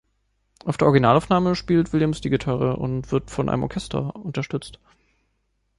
Auf der Originalaufnahme spielt Williams die Gitarre und wird von einem Orchester unterstützt.